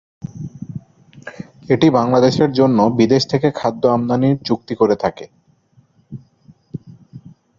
এটি বাংলাদেশের জন্য বিদেশ থেকে খাদ্য আমদানির চুক্তি করে থাকে।